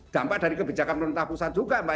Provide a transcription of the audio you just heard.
dampak dari kebijakan pemerintah pusat juga mbak